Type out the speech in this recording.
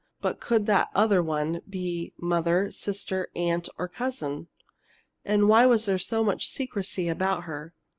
But could that "other one" be mother, sister, aunt, or cousin? And why was there so much secrecy about her?